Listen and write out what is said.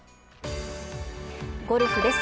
ゴルフです。